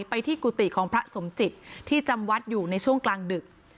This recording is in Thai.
ไปที่กุฏิของพระสมจิตที่จำวัดอยู่ในช่วงกลางดึก